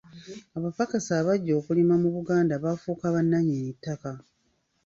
Abapakasi abajja okulima mu Buganda baafuuka bannannyi ttaka.